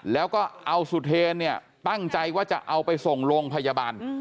แล้วก็เอาสุเทรนเนี่ยตั้งใจว่าจะเอาไปส่งโรงพยาบาล